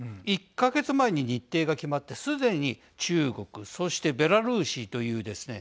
１か月前に日程が決まってすでに中国そしてベラルーシというですね